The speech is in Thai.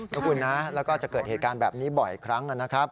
นะคุณนะแล้วก็จะเกิดเหตุการณ์แบบนี้บ่อยครั้งนะครับ